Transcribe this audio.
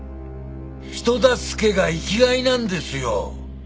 人助けが生きがいなんですよ。